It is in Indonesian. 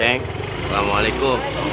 assalamualaikum mak ceng